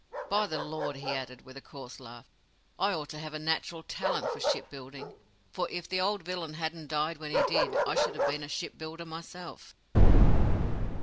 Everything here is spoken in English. By the Lord!" he added, with a coarse laugh, "I ought to have a natural talent for ship building; for if the old villain hadn't died when he did, I should have been a ship builder myself."